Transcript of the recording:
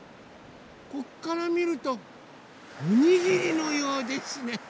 こっからみるとおにぎりのようですね。